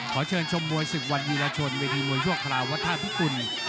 ขอเชิญชมมวยศึกวันวีรชนเวทีมวยชั่วคราวัฒาภิกุล